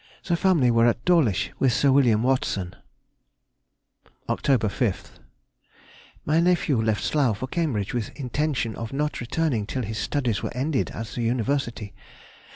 The family were at Dawlish with Sir William Watson. Oct. 5th.—My nephew left Slough for Cambridge with intention of not returning till his studies were ended at the University.